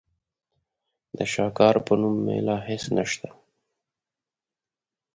د شاکار په نوم مېله هېڅ نشته.